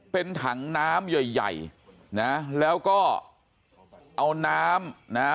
เป็นถังน้ำใหญ่ใหญ่นะแล้วก็เอาน้ำนะฮะ